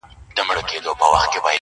د مدرسو او مکتبونو کیسې!.